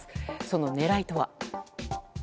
その狙いとは。